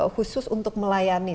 khusus untuk melayani